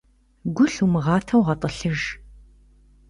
Гу лъумыгъатэу гъэтӏылъыж.